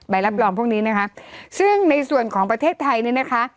รับรองพวกนี้นะคะซึ่งในส่วนของประเทศไทยเนี่ยนะคะ